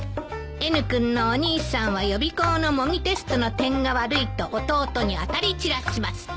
「Ｎ君のお兄さんは予備校の模擬テストの点が悪いと弟に当たり散らします」